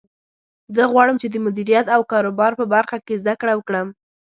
زه غواړم چې د مدیریت او کاروبار په برخه کې زده کړه وکړم